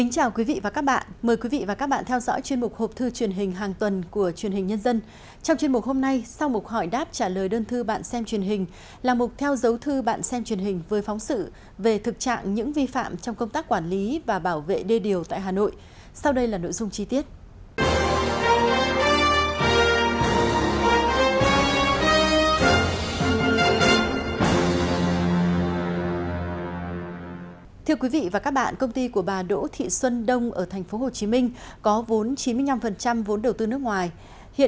chào mừng quý vị đến với bộ phim hãy nhớ like share và đăng ký kênh của chúng mình nhé